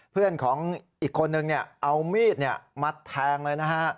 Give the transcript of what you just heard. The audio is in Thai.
เพื่อนของอีกคนนึงเอามีดมาแทงเลยนะฮะ